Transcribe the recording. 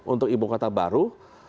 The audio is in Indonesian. untuk ibu kota baru